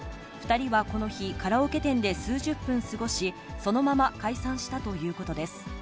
２人はこの日、カラオケ店で数十分過ごし、そのまま解散したということです。